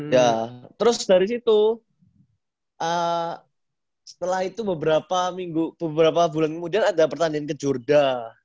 ya terus dari situ setelah itu beberapa minggu beberapa bulan kemudian ada pertandingan ke jurda